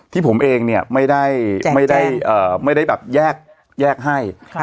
ที่ผมเองเนี่ยไม่ได้แจ้งแจ้งไม่ได้อ่าไม่ได้แบบแยกแยกให้ค่ะ